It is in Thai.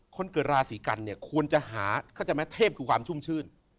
คนเกิดราศีกันเนี่ยควรจะหาเข้าใจไหมเทพคือความชุ่มชื่น